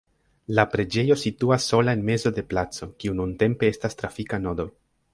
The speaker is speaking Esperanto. La preĝejo situas sola en mezo de placo, kiu nuntempe estas trafika nodo.